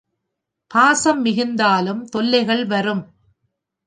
பாசம் மிகுந்தாலும் தொல்லைகள் வரும்.